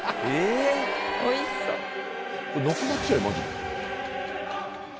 なくなっちゃうよマジで。